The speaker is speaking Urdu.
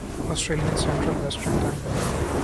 Australian central western time